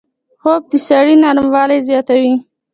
خوب د سړي نرموالی زیاتوي